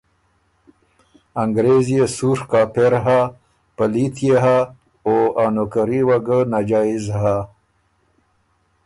”انګرېز يې سُوڒ کاپېر هۀ، پلیت يې هۀ او ا نوکري وه ګۀ ناجائز هۀ۔